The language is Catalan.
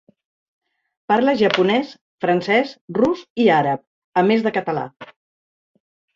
Parla japonès, francès, rus i àrab, a més de català.